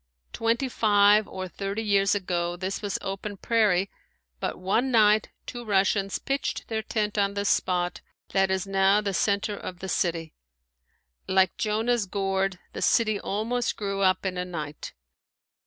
Twenty five or thirty years ago this was open prairie, but one night two Russians pitched their tent on the spot that is now the center of the city. Like Jonah's gourd, the city almost grew up in a night.